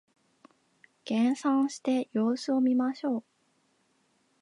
減産して様子を見ましょう